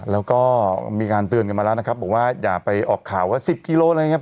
แล้วก็มีการเตือนกันมาแล้วนะครับบอกว่าอย่าไปออกข่าวว่า๑๐กิโลอะไรอย่างนี้